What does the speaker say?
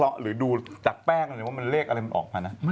แล้วหนักแล้วเรารื่องชนมันเลขอะไรออกมานะ